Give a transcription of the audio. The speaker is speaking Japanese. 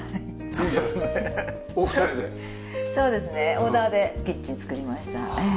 オーダーでキッチン作りました。